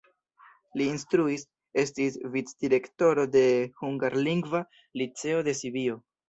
Li instruis, estis vicdirektoro de hungarlingva liceo de Sibio.